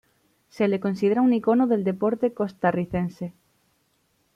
Se le considera un icono del deporte costarricense.